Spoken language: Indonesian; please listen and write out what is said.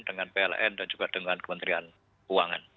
dengan pln dan juga dengan kementerian keuangan